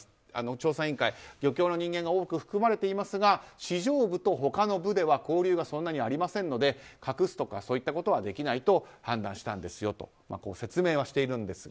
調査委員会漁協の人間が多く含まれていますが市場部と他の部では交流がありませんので隠すとかそういったことはできないと判断したんですよと説明はしているんですが。